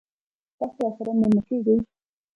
تاسو راسره میلمه کیږئ؟